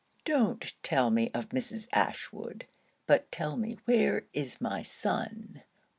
'Don't tell me of Mrs. Ashwood but tell me where is my son?